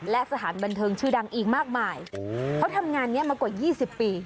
และสถานบันเทิงชื่อดังอีกมากมายเขาทำงานนี้มากว่า๒๐ปี